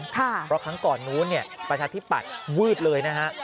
เพราะครั้งก่อนนู้นประชาธิปัตย์วืดเลยนะฮะ